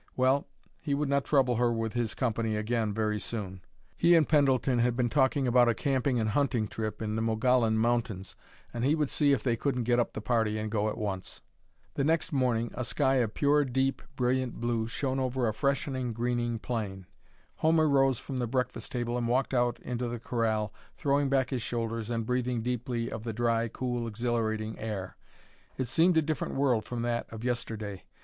Well, he would not trouble her with his company again very soon. He and Pendleton had been talking about a camping and hunting trip in the Mogollon Mountains, and he would see if they couldn't get up the party and go at once. The next morning a sky of pure, deep, brilliant blue shone over a freshening, greening plain. Homer rose from the breakfast table and walked out into the corral, throwing back his shoulders and breathing deeply of the dry, cool, exhilarating air. It seemed a different world from that of yesterday.